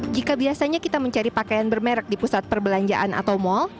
jika biasanya kita mencari pakaian bermerek di pusat perbelanjaan atau mal